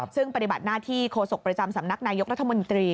ซึ่งปฏิบัติหน้าที่โฆษกประจำสำนักนายกรัฐมนตรี